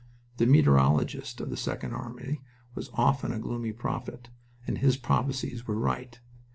The meteorologist of the Second Army was often a gloomy prophet, and his prophecies were right.